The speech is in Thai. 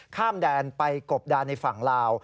ข้ามแดนไปกบดานในฝั่งลาว